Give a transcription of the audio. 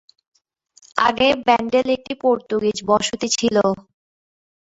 আগে, ব্যান্ডেল একটি পর্তুগিজ বসতি ছিল।